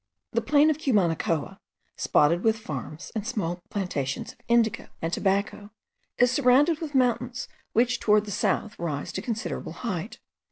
The plain of Cumanacoa, spotted with farms and small plantations of indigo and tobacco, is surrounded with mountains, which towards the south rise to considerable height.